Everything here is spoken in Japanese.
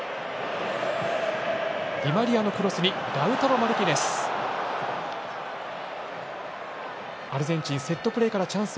ディマリアのクロスにラウタロ・マルティネス。